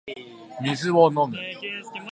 水を飲む